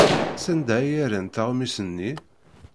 Sanda ay rrant aɣmis-nni?